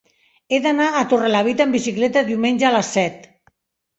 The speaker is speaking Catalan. He d'anar a Torrelavit amb bicicleta diumenge a les set.